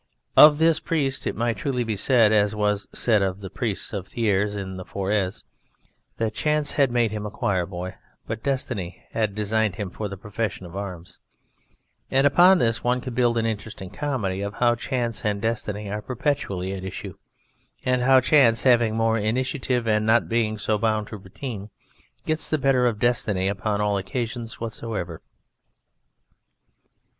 Of this priest it might truly be said, as was said of the priest of Thiers in the Forez, that chance had made him a choir boy, but destiny had designed him for the profession of arms; and upon this one could build an interesting comedy of how chance and destiny are perpetually at issue, and how chance, having more initiative and not being so bound to routine, gets the better of destiny upon all occasions whatsoever.